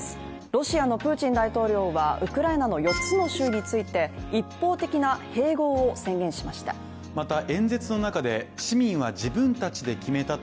ロシアのプーチン大統領はウクライナの４つの州について一方的な併合を宣言しました。